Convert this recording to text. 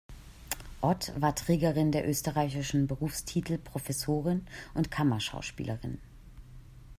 Ott war Trägerin der österreichischen Berufstitel "Professorin" und "Kammerschauspielerin".